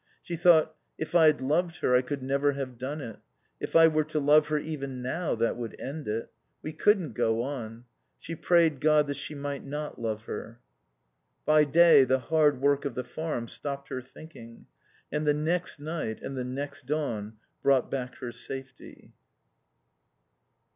She thought: If I'd loved her I could never have done it. If I were to love her even now that would end it. We couldn't go on. She prayed God that she might not love her. By day the hard work of the farm stopped her thinking. And the next night and the next dawn brought back her safety.